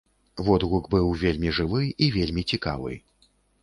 Водгук быў вельмі жывы і вельмі цікавы.